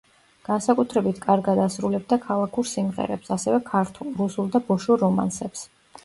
განსაკუთრებით კარგად ასრულებდა ქალაქურ სიმღერებს, ასევე ქართულ, რუსულ და ბოშურ რომანსებს.